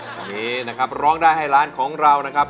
วันนี้นะครับร้องได้ให้ล้านของเรานะครับ